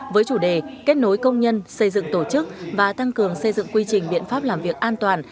với chủ đề kết nối công nhân xây dựng tổ chức và tăng cường xây dựng quy trình biện pháp làm việc an toàn